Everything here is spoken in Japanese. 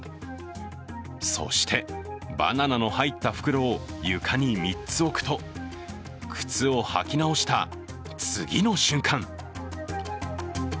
そして、バナナの入った袋を床に３つ置くと、靴を履き直した、次の瞬間。